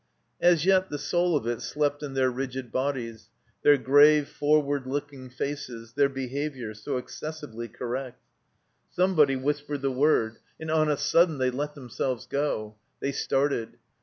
As yet the soul of it slept in their rigid bodies, their grave, forward looking faces, their behavior, so excessively correct. Somebody whisi)ered the word, and on a sudden they let themselves go; they started.